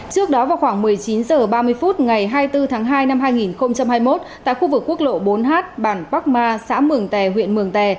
trước đó vào khoảng một mươi chín h ba mươi phút ngày hai mươi bốn tháng hai năm hai nghìn hai mươi một tại khu vực quốc lộ bốn h bản park ma xã mường tè huyện mường tè